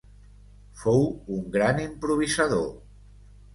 Fou un gran improvisador.